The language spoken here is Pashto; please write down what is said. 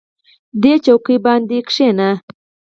دې څوکۍ باندې کېنئ.